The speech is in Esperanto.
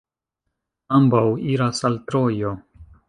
Ambaŭ iras al Trojo.